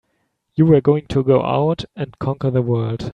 You were going to go out and conquer the world!